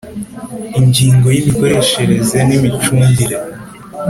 Ingingo ya Imikoreshereze n imicungire